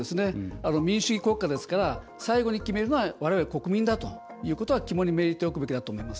民主主義国家ですから最後に決めるのはわれわれ国民だということは肝に銘じておくべきだと思います。